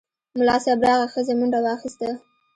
ملا صیب راغی، ښځې منډه واخیسته.